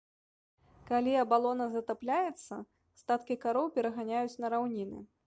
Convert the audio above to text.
Калі абалона затапляецца, статкі кароў пераганяюць на раўніны.